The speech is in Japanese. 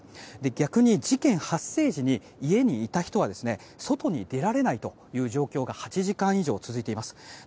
逆に事件発生時に家にいた人は外に出られないという状況が８時間以上続いています。